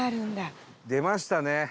伊達：出ましたね。